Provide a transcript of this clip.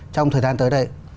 trong thời gian tới đây